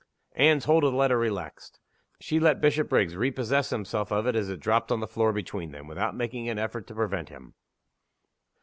Anne's hold of the letter relaxed. She let Bishopriggs repossess himself of it as it dropped on the floor between them, without making an effort to prevent him.